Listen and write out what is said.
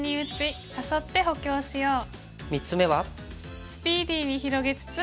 ３つ目は。